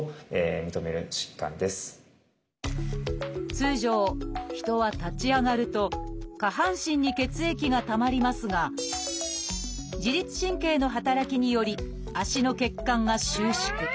通常人は立ち上がると下半身に血液がたまりますが自律神経の働きにより足の血管が収縮。